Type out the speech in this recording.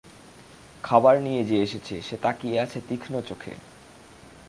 খাবার নিয়ে যে এসেছে সে তাকিয়ে আছে তীক্ষ্ণ চোখে।